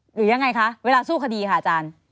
หรือยังไงคะเวลาสู้คดีค่ะอาจารย์